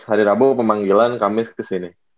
hari rabu pemanggilan kamis kesini